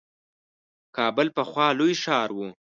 کابل پخوا لوی ښار وو.